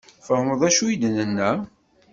Tfehmeḍ d acu i d-nenna?